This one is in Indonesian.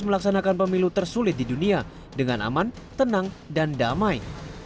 melaksanakan pemilu tersulit di dunia dengan aman tenang dan damai